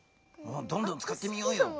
どんどんつかってみようよ。